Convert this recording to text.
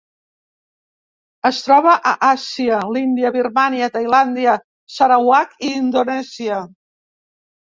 Es troba a Àsia: l'Índia, Birmània, Tailàndia, Sarawak i Indonèsia.